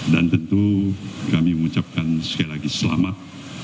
dan tentu kami mengucapkan sekali lagi selamat